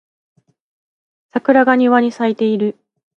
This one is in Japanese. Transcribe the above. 桜が庭に咲いている